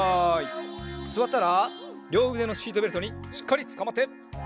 すわったらりょううでのシートベルトにしっかりつかまって。